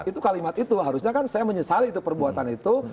itu kalimat itu harusnya kan saya menyesali itu perbuatan itu